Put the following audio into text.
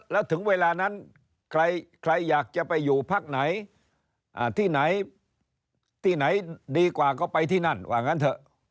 แล้วถึงเวลานั้นใครอยากจะไปอยู่ภาคไหนที่ไหนดีกว่าก็ไปที่นั่นหรืออย่างนั้นเถอะ